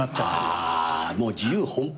あもう自由奔放。